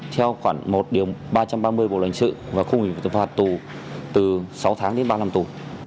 theo khoảng một ba trăm ba mươi bộ lãnh sự và khu vực tư phạt tù từ sáu tháng đến ba năm tù